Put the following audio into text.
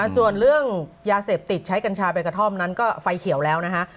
ส่วนเรื่องยาเสพติดใช้กัญชาใบกระท่อมนั้นก็ไฟเขียวแล้วนะฮะ